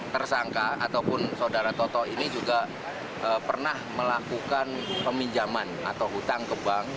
tersangka ataupun saudara toto ini juga pernah melakukan peminjaman atau hutang ke bank